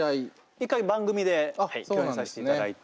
１回番組で共演させていただいて。